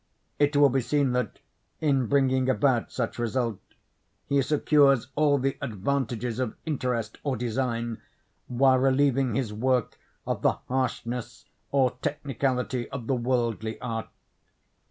It will be seen that, in bringing about such result, he secures all the advantages of interest or design, while relieving his work of the harshness or technicality of the worldly art.